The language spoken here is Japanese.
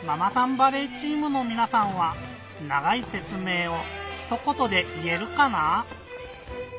バレーチームのみなさんはながいせつめいをひとことでいえるかな？